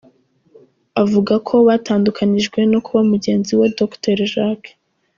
Avuga ko batandukanijwe no kuba mugenzi we Dr Jack.